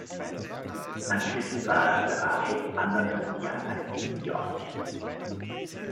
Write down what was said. Anschließend war er für Arup anderthalb Jahre in New York.